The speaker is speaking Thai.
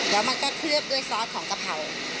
แล้วมันก็เคลือบด้วยซอสของกะเพรา